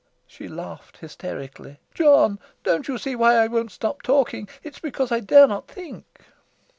She laughed hysterically. "John, don't you see why I won't stop talking? It's because I dare not think."